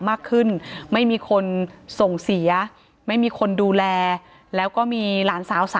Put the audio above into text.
มากขึ้นไม่มีคนส่งเสียไม่มีคนดูแลแล้วก็มีหลานสาว